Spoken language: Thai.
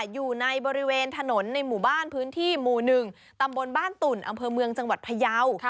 อยู่ในบริเวณถนนในหมู่บ้านพื้นที่หมู่๑ตำบลบ้านตุ่นอำเภอเมืองจังหวัดพยาว